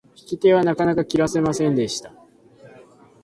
引き手はなかなか切らせませんでした。